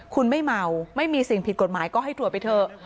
คุณไม่เมาไม่มีสิ่งผิดกฎหมายก็ให้ตรวจไปเถอะ